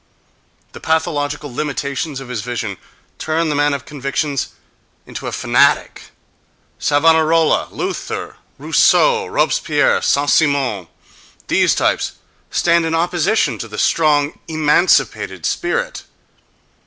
The pathological limitations of his vision turn the man of convictions into a fanatic—Savonarola, Luther, Rousseau, Robespierre, Saint Simon—these types stand in opposition to the strong, emancipated spirit.